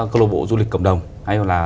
cơ lộ bộ du lịch cộng đồng hay là